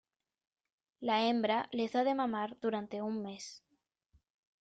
La hembra les da de mamar durante un mes.